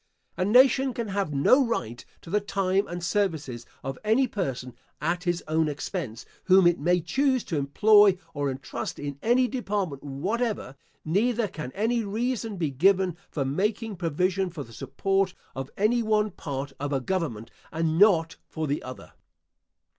A nation can have no right to the time and services of any person at his own expense, whom it may choose to employ or entrust in any department whatever; neither can any reason be given for making provision for the support of any one part of a government and not for the other.